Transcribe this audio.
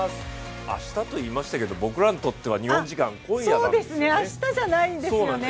明日といいましたけれども、僕らにとっては日本時間今夜なんですね。